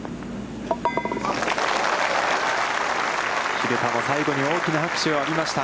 蛭田も、最後に大きな拍手を浴びました。